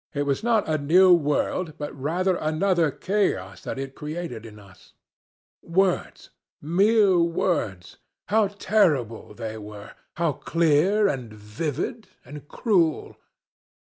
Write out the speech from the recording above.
It was not a new world, but rather another chaos, that it created in us. Words! Mere words! How terrible they were! How clear, and vivid, and cruel!